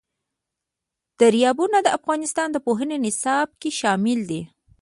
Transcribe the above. دریابونه د افغانستان د پوهنې نصاب کې شامل دي.